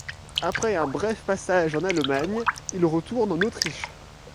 Après un bref passage en Allemagne, il retourne en Autriche.